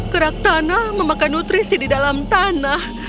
krakthana memakan nutrisi di dalam tanah